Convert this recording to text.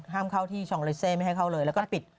ห้ามเข้าที่ชองเลเซไม่ให้เข้าเลยแล้วก็ปิด